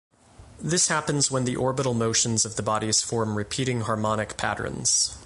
This happens when the orbital motions of the bodies form repeating harmonic patterns.